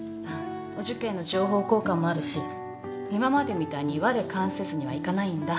お受験の情報交換もあるし今までみたいにわれ関せずにはいかないんだ。